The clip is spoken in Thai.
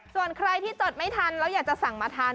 ส่วนใครที่จดไม่ทันแล้วอยากจะสั่งมาทาน